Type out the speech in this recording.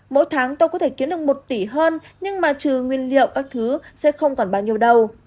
mỗi tháng tôi có thể kiếm được một tỷ hơn nhưng mà trừ nguyên liệu các thứ sẽ không còn bao nhiêu đâu